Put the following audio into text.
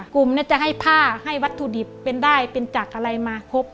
กลุ่มจะให้ผ้าให้วัตถุดิบเป็นได้เป็นจากอะไรมาครบ